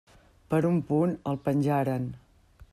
Per un punt el penjaren.